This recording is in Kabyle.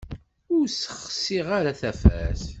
Ur ssexsiɣ ara tafat.